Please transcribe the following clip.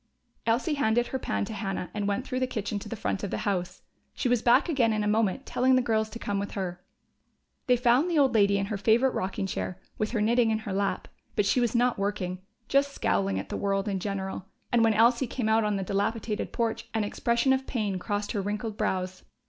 Elsie handed her pan to Hannah and went through the kitchen to the front of the house. She was back again in a moment, telling the girls to come with her. They found the old lady in her favorite rocking chair, with her knitting in her lap. But she was not working just scowling at the world in general, and when Elsie came out on the dilapidated porch an expression of pain crossed her wrinkled brows.